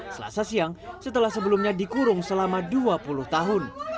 selasa siang setelah sebelumnya dikurung selama dua puluh tahun